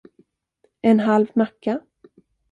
En halv macka?